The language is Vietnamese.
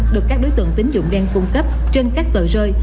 được các đối tượng tính dụng đen cung cấp trên các tờ rơi